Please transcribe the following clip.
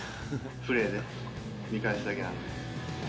プレーで見返すだけなんで。